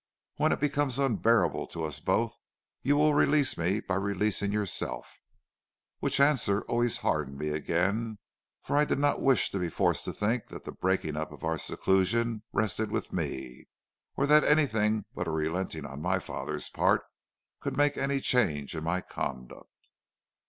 When it becomes unbearable to us both you will release me by releasing yourself.' Which answer always hardened me again, for I did not wish to be forced to think that the breaking up of our seclusion rested with me, or that anything but a relenting on my father's part could make any change in my conduct.